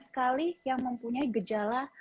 sekali yang mempunyai gejala